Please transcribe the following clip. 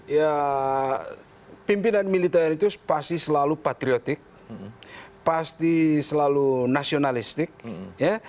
ya pimpinan militer itu pasti selalu patriotik pasti selalu nasionalistik ya